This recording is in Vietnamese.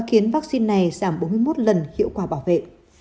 khiến vaccine này giảm bốn mươi một lần hiệu quả bảo vệ